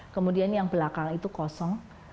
kemudian yang belakang itu kosong